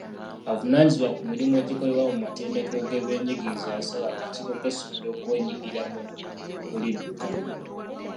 Avunaanyizibwa ku mirimu egikolebwa mu matendekero g'ebyenjigiriza yasaba akakiiko k'essomero okwenyigira mu kuliddukanya.